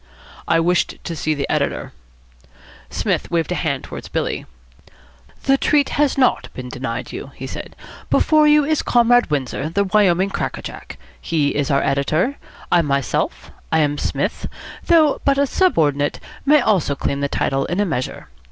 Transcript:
"I wished to see the editor." Psmith waved a hand towards Billy. "The treat has not been denied you," he said. "Before you is Comrade Windsor, the Wyoming cracker jack. He is our editor. I myself I am Psmith though but a subordinate, may also claim the title in a measure.